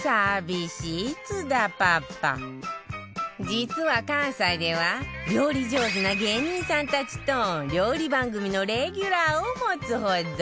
実は関西では料理上手な芸人さんたちと料理番組のレギュラーを持つほど